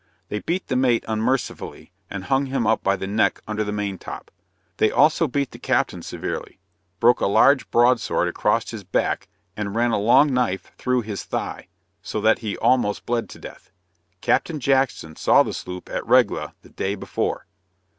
They beat the mate unmercifully, and hung him up by the neck under the maintop. They also beat the captain severely broke a large broad sword across his back, and ran a long knife through his thigh, so that he almost bled to death. Captain Jackson saw the sloop at Regla the day before.